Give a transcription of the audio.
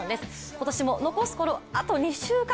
今年も残すところあと２週間。